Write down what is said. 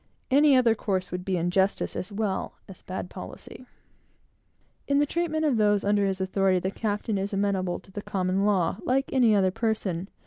Any other course would be injustice, as well as bad policy. In the treatment of those under his authority, the captain is amenable to the common law, like any other person.